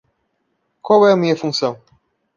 Qual é a minha função?